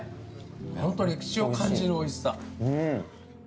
本当に歴史を感じるおいしさ。